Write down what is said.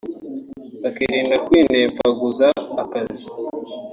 bakirinda kwinemfaguza akazi